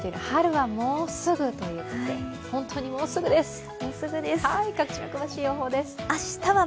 春はもうすぐということで、本当にもうすぐです。